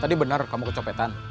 tadi bener kamu kecopetan